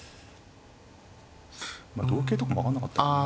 まあ同桂とかも分かんなかったけどね。